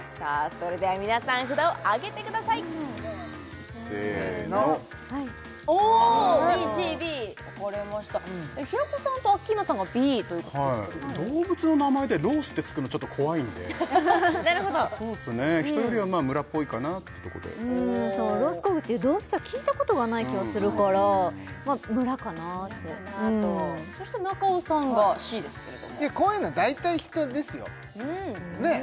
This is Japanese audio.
それでは皆さん札を上げてくださいせーのはいおっＢＣＢ分かれました平子さんとアッキーナさんがＢということですけれども動物の名前で「ロース」って付くのちょっと怖いんでなるほど人よりは村っぽいかなってとこでそうロースコグっていう動物は聞いたことがない気がするからまあ村かなって村かなとそして中尾さんがＣですけれどもこういうのは大体人ですよねえ